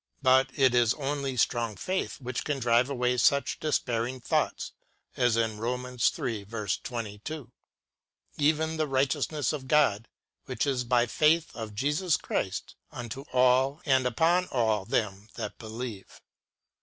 But it is only strong faith which can drive away such despairing thoughts as in Rom. iii. 22, "Even the righteousness of God, which is by faith of Jesus Christ, unto all and upon all them that believe."